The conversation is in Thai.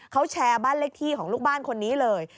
เขาแชร์บ้านเลขที่ของลูกบ้านคนนี้เลย